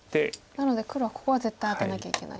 なので黒はここは絶対アテなきゃいけないと。